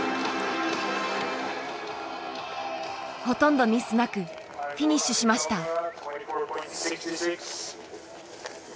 ほとんどミスなくフィニッシュしました。